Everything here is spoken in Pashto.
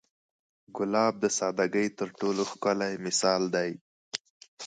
ګلاب د سادګۍ تر ټولو ښکلی مثال دی.